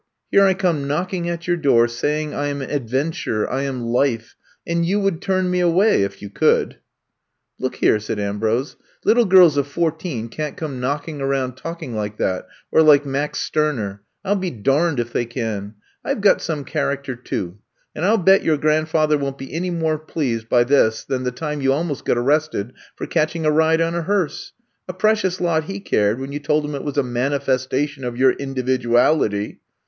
Here I come knockmg at your door^ saying I am Adventure — ^I am Life — and you would turn me away — ^if you could. '^Look here, '* said Ambrose, little girls of fourteen can't come knocking around talking like that — or like Max Stimer. I '11 be darned if they can ! I 've got some character, too ; and I '11 bet your grand father won't be any more pleased by this than the time you almost got arrested for catching a ride on a hearse. A precious lot he cared when you told him it was a mani festation of your individuality